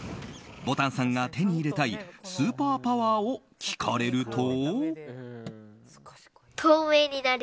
ぼたんさんが手に入れたいスーパーパワーを聞かれると。